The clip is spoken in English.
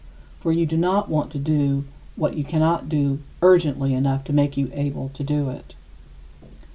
For you do not want to do what you cannot do urgently enough to make you able to do it.